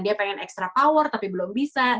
dia pengen extra power tapi belum bisa